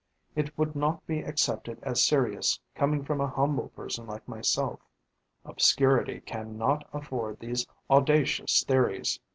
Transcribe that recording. It would not be accepted as serious coming from a humble person like myself. Obscurity cannot afford these audacious theories.